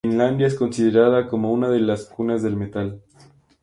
Finlandia es considerada como una de las cunas del metal.